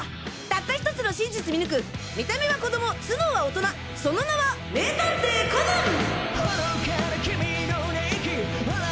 たった１つの真実見抜く見た目は子供頭脳は大人その名は名探偵コナン！